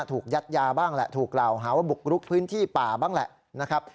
ถูกยัดยาบ้างแหละถูกกล่าวหาว่าบุกรุกพื้นที่ป่าบ้างแหละนะครับ